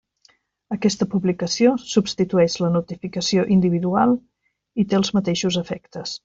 Aquesta publicació substitueix la notificació individual i té els mateixos efectes.